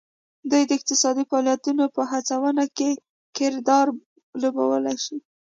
دوی د اقتصادي فعالیتونو په هڅونه کې کردار لوبولی شي